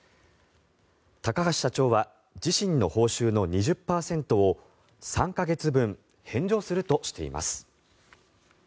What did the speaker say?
高橋社長は自身の報酬の２０％を３か月分返上するとしています。